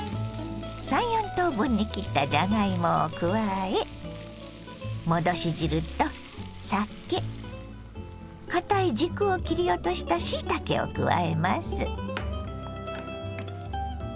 ３４等分に切ったじゃがいもを加え戻し汁と酒かたい軸を切り落としたしいたけを加えます。